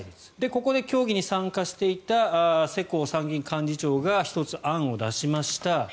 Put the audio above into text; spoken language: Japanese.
ここで協議に参加していた世耕参院幹事長が１つ、案を出しました。